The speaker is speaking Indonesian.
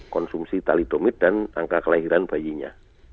konsumsi talidomit dan angka kelahiran bayinya